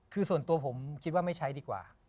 คือส่วนตัวผมคิดว่าไม่ใช้ดีกว่า